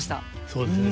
そうですね。